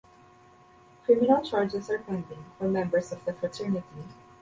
Criminal charges are pending for members of the fraternity.